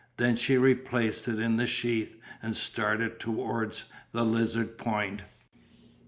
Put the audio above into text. Then she replaced it in the sheath and started towards the Lizard Point.